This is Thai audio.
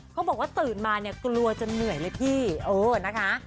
เขาบอกว่าตื่นมาเนี่ยกลัวจนเหนื่อยเลยพี่เออนะคะ